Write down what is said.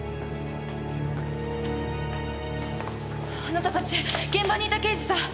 あなたたち現場にいた刑事さん！